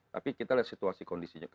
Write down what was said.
tapi kita lihat situasi kondisinya